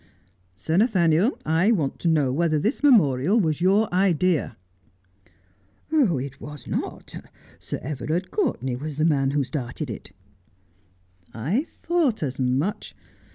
Sir Nathaniel, I want to know whether this memorial was your idea ?' 'It was not. Sir Everard Courtenay was the man who started it.' ' I thought as much.